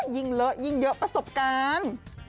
เลอะยิ่งเยอะประสบการณ์